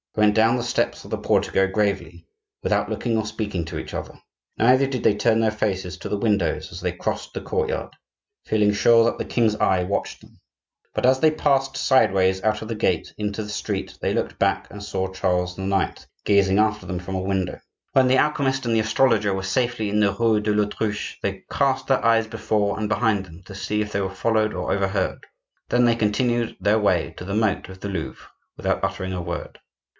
They went down the steps of the portico gravely, without looking or speaking to each other; neither did they turn their faces to the windows as they crossed the courtyard, feeling sure that the king's eye watched them. But as they passed sideways out of the gate into the street they looked back and saw Charles IX. gazing after them from a window. When the alchemist and the astrologer were safely in the rue de l'Autruche, they cast their eyes before and behind them, to see if they were followed or overheard; then they continued their way to the moat of the Louvre without uttering a word.